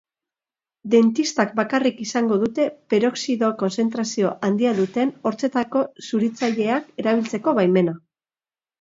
Dentistak bakarrik izango dute perioxido kontzentrazio handia duten hortzetako zuritzaileak erabiltzeko baimena.